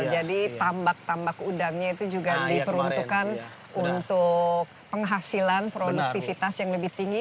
jadi tambak tambak udangnya itu juga diperuntukkan untuk penghasilan produktivitas yang lebih tinggi